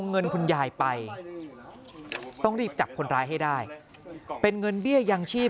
เงินคุณยายไปต้องรีบจับคนร้ายให้ได้เป็นเงินเบี้ยยังชีพ